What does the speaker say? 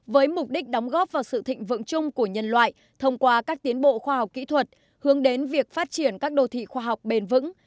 với mục đích đóng góp vào sự thịnh vượng chung của nhân loại thông qua các tiến bộ khoa học kỹ thuật hướng đến việc phát triển các đô thị khoa học bền vững